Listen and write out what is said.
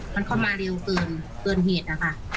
มันเข้ามาเร็วเกินเกินเหตุค่ะ